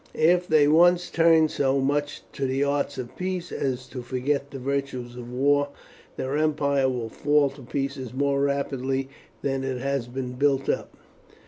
If they once turn so much to the arts of peace as to forget the virtues of war, their empire will fall to pieces more rapidly than it has been built up."